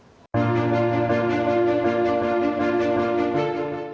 pertama apa yang bisa kita lakukan untuk mengambil alih dari keadaan yang tersebut